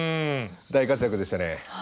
大活躍でしたね。